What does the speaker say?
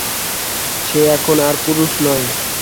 সে এখন আর পুরুষ নয়।